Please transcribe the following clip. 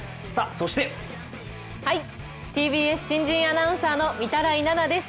そしてＴＢＳ新人アナウンサーの御手洗菜々です。